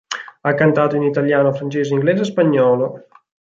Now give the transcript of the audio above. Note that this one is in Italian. Ha cantato in italiano, francese, inglese e spagnolo.